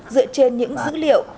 dựa trên những dữ liệu